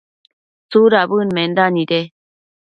¿tsudabëd menda nide ?